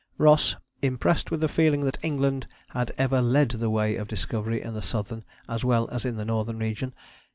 Ross, "impressed with the feeling that England had ever led the way of discovery in the southern as well as in the northern region